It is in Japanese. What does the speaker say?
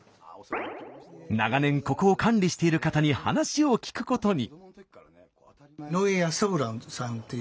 長年ここを管理している方に話を聞くことに。